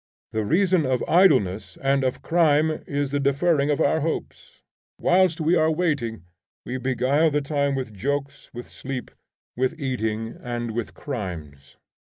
The reason of idleness and of crime is the deferring of our hopes. Whilst we are waiting we beguile the time with jokes, with sleep, with eating, and with crimes.